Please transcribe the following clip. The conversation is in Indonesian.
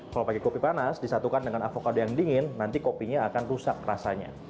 kalau pakai kopi panas disatukan dengan avocado yang dingin nanti kopinya akan rusak rasanya